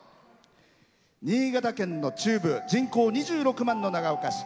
新潟県の中部人口２６万人の長岡市。